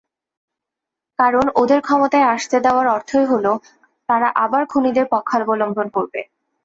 কারণ, ওদের ক্ষমতায় আসতে দেওয়ার অর্থই হলো, তারা আবার খুনিদের পক্ষাবলম্বন করবে।